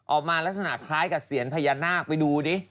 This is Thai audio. ออกมาลักษณะคล้ายกับเสียงพะยานาคไปดูดิ